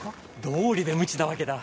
どうりで無知なわけだ。